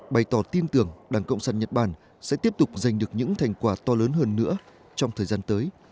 bày tỏ tin tưởng đảng cộng sản nhật bản sẽ tiếp tục giành được những thành quả to lớn hơn nữa trong thời gian tới